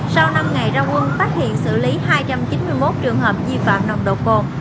sau năm ngày ra quân phát hiện xử lý hai trăm chín mươi một trường hợp di phạm nồng độ cồn